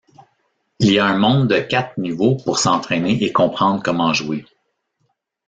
Il y a un monde de quatre niveaux pour s'entraîner et comprendre comment jouer.